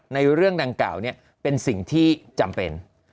เรื่องดังกล่าวเป็นสิ่งที่จำเป็น